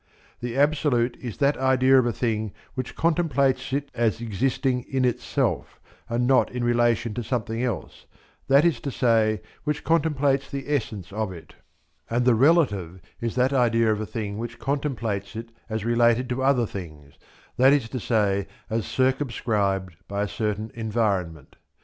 The absolute is that idea of a thing which contemplates it as existing in itself and not in relation to something else, that is to say, which contemplates the essence of it; and the relative is that idea of a thing which contemplates it as related to other things, that is to say as circumscribed by a certain environment.